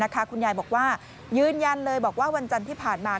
คุณยายบอกว่ายืนยันเลยบอกว่าวันจันทร์ที่ผ่านมา